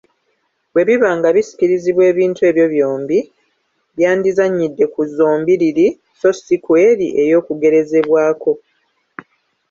Bwe biba nga bisikirizibwa ebintu ebyo byombi, byandizannyidde ku zombiriri so ssi ku eri ey’okugerezebwako.